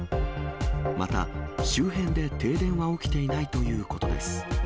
また、周辺で停電は起きていないということです。